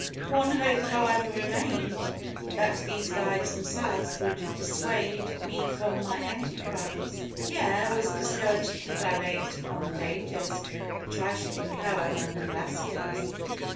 One hope, however, remained: that these guides themselves would dissuade me from my enterprise. Pierre was encouraged to dilate upon the dangers which I should incur among the glaciers.